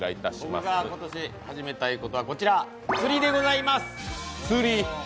僕が今年、始めたいことは釣りでございます。